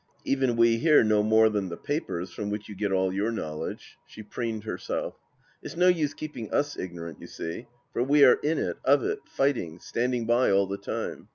" Even we here know more than the papers from which you get all your knowledge." She preened herself. " It's no use keeping us ignorant, you see. For we are in it, of it, fighting, standing by all the time.